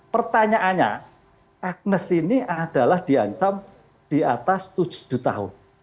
pertanyaannya agnes ini adalah diancam di atas tujuh tahun